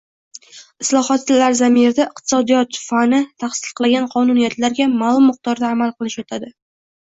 islohotlar zamirida iqtisodiyot fani tasdiqlagan qonuniyatlarga ma’lum miqdorda amal qilish yotadi.